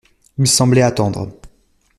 Il semblait attendre.